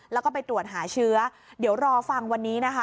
แล้วก็ไปตรวจหาเชื้อเดี๋ยวรอฟังวันนี้นะคะ